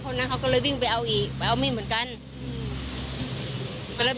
นั้นเขาก็เลยวิ่งไปเอาอีกไปเอามีดเหมือนกันอืมก็เลย